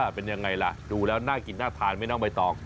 เป็นยังไงล่ะดูแล้วน่ากินน่าทานไหมน้องใบตอง